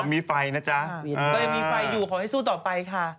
มีไฟอยู่ของให้สู้ต่อไปค่ะ